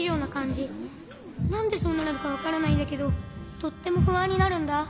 なんでそうなるのかわからないんだけどとってもふあんになるんだ。